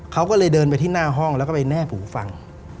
เขาก็เลยเดินไปที่หน้าห้องแล้วก็ไปแนบหูฟัง